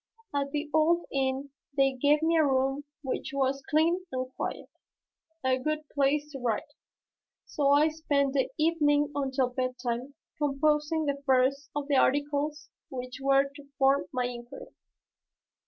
At the old inn they gave me a room which was clean and quiet, a good place to write, so I spent the evening until bedtime composing the first of the articles which were to form my inquiry.